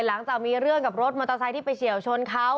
หลังจากมีเรื่องกับรถมอเตอร์ไซค์ที่ไปเฉียวชนเขา